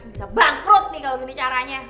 bisa bangkrut nih kalau gini caranya